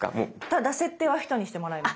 ただ設定は人にしてもらいました。